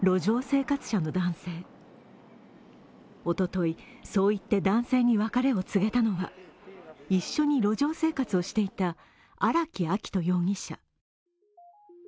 おととい、そう言って男性に別れを告げたのは一緒に路上生活をしていた荒木秋冬容疑者。